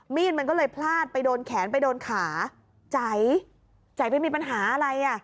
มีดมันก็เลยพลาดไปโดนแขนไปโดนขาใจไปมีปัญหาอะไรอ่ะ